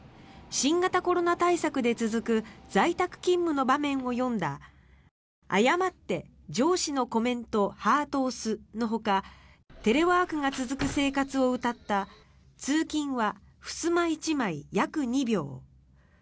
新型コロナ対策で続く在宅勤務の場面を詠んだ「誤って上司のコメントハート押す」のほかテレワークが続く生活をうたった「通勤は襖一枚約二秒」